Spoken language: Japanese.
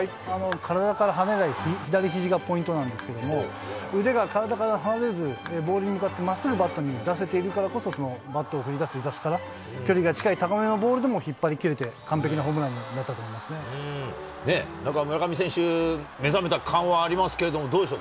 体から離れない左ひじがポイントなんですけど、腕が体から離れず、ボールに向かってまっすぐ出せているからこそ、バットを振り出す出だしから、距離が近い高めのボールでも打てて、完璧なホームラねえ、なんか村上選手、目覚めた感はありますけれども、どうでしょう。